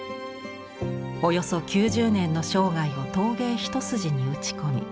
およそ９０年の生涯を陶芸一筋に打ち込み